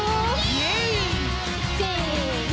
イエイ！せの！